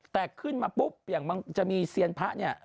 แต่ขึ้นมาปุ๊บอย่างมันจะมีเซียนพระเนี่ย